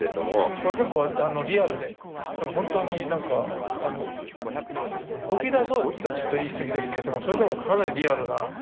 これ結構リアルで本当になんか動きだしそうっつったらちょっと言い過ぎですけれどもそれでもかなりリアルな